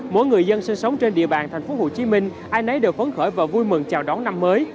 mỗi người dân sinh sống trên địa bàn tp hcm ai nấy đều phấn khởi và vui mừng chào đón năm mới